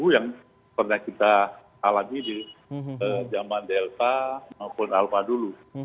yang pernah kita alami di zaman delta maupun alpha dulu